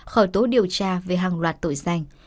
khởi tố điều tra về hàng loạt tội danh